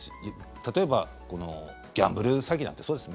例えばギャンブル詐欺なんてそうです。